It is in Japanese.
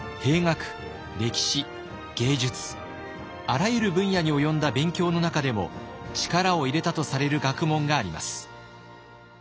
あらゆる分野に及んだ勉強の中でも力を入れたとされる学問があります。